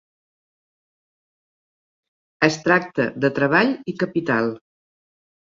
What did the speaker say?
Es tracta de treball i capital.